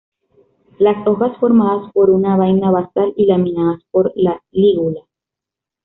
Las hojas formadas por una vaina basal y laminadas por la lígula.